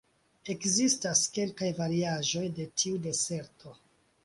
Ekzistas kelkaj variaĵoj de tiu deserto.